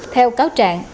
theo cáo trạng